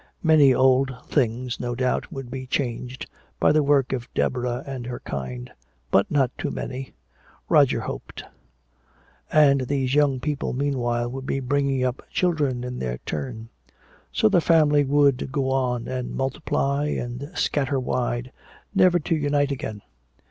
Many old things, no doubt, would be changed, by the work of Deborah and her kind but not too many, Roger hoped. And these young people, meanwhile, would be bringing up children in their turn. So the family would go on, and multiply and scatter wide, never to unite again.